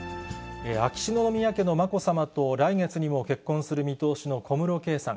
秋篠宮家のまこさまと、来月にも結婚する見通しの小室圭さん。